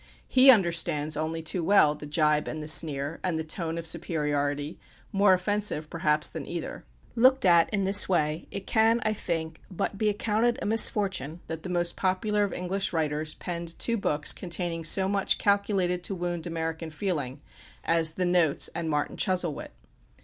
He understands only too well the jibe and the sneer, and the tone of superiority, more offensive perhaps than either. Looked at in this way, it can, I think, but be accounted a misfortune that the most popular of English writers penned two books containing so much calculated to wound American feeling, as the "Notes" and "Martin Chuzzlewit."